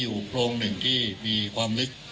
คุณผู้ชมไปฟังผู้ว่ารัฐกาลจังหวัดเชียงรายแถลงตอนนี้ค่ะ